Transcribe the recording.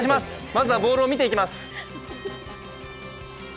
まずはボールを見ていきます。